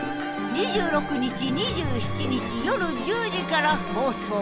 ２６日２７日夜１０時から放送。